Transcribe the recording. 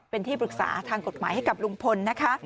เป็นที่ปรึกษาทางกฎหมายให้กับลุงพลนะคะ